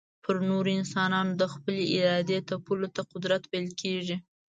پر نورو انسانانو د خپلي ارادې تپلو ته قدرت ويل کېږي.